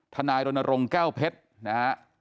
ทนายตรณรงกล้าแพ็ดนะ